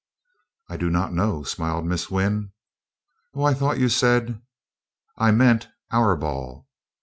"I do not know," smiled Miss Wynn. "Oh, I thought you said " "I meant our ball."